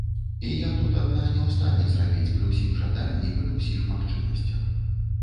І я тут адна не ў стане зрабіць пры ўсім жаданні, пры ўсіх магчымасцях.